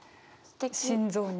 心臓に。